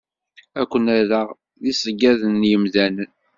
Ad ken-rreɣ d iṣeggaden n yemdanen.